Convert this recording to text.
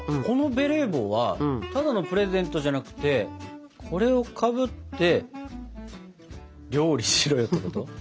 このベレー帽はただのプレゼントじゃなくてこれをかぶって料理しろよってこと？